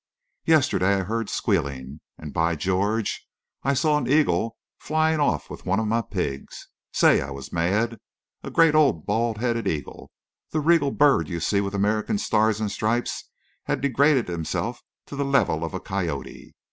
Yesterday I heard squealing—and, by George! I saw an eagle flying off with one of my pigs. Say, I was mad. A great old bald headed eagle—the regal bird you see with America's stars and stripes had degraded himself to the level of a coyote.